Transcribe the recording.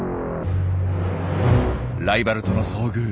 ライバルとの遭遇。